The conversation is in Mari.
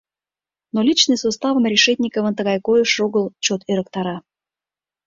Но личный составым Решетниковын тыгай койышыжо огыл чот ӧрыктара.